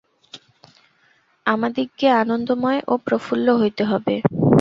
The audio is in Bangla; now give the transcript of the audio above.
আমাদিগকে আনন্দময় ও প্রফুল্ল হইতে হইবে।